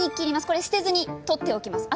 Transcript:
これ捨てずに取っておきます。